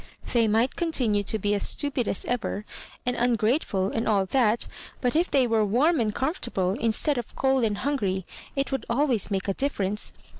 They might continue to be as stupid as ever, and ungrateful, and all tha£, but if they were warm and comfortable, instead of cold and hungry, it would always make a difference.